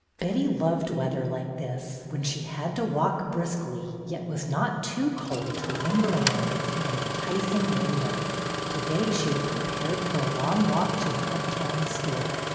Betty loved weather like this, when she had to walk briskly yet was not too cold to linger a moment at an enticing window. To day she had prepared for a long walk to an uptown store.